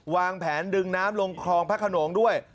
วางแผนดึงน้ำลงคลองพระขนงด้วย